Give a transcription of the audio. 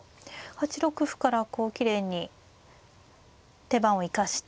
８六歩からこうきれいに手番を生かして。